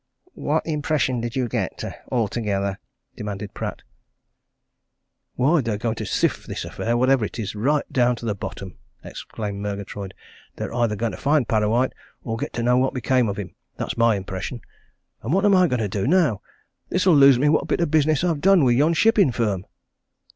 "What impression did you get altogether?" demanded Pratt. "Why! that they're going to sift this affair whatever it is right down to the bottom!" exclaimed Murgatroyd. "They're either going to find Parrawhite or get to know what became of him. That's my impression. And what am I going to do, now! This'll lose me what bit of business I've done with yon shipping firm."